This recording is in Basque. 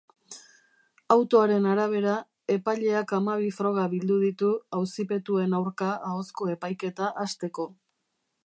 Autoaren arabera, epaileak hamabi froga bildu ditu auzipetuen aurka ahozko epaiketa hasteko.